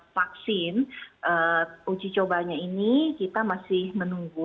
vaksin uji cobanya ini kita masih menunggu